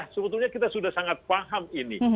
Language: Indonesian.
sebetulnya kita sudah sangat paham ini